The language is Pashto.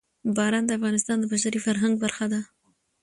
باران د افغانستان د بشري فرهنګ برخه ده.